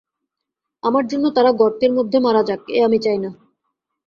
আমার জন্য তারা গর্তের মধ্যে মারা যাক, এ আমি চাই না।